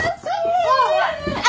あ！